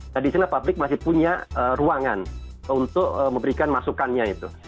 nah disinilah publik masih punya ruangan untuk memberikan masukannya itu